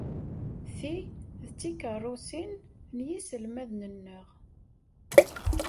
Ti d tikeṛṛusin n yiselmaden-nneɣ.